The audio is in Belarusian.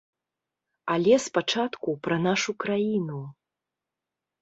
Але спачатку пра нашу краіну.